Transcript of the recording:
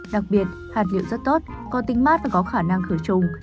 đặc biệt hạt liệu rất tốt có tính mát và có khả năng khử trùng